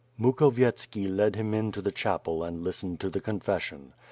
Mukhovietski led him in to the chapel and listened to the confession.